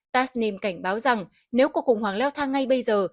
tasnim cảnh báo rằng nếu cuộc khủng hoảng leo thang ngay bây giờ